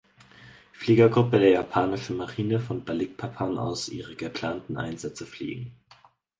Fliegergruppe der japanischen Marine von Balikpapan aus ihre geplanten Einsätze fliegen.